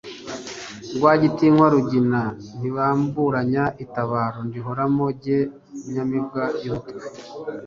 Rwagitinywa rugina ntibamburanya itabaro, ndihoramo jye nyamibwa y'umutwe.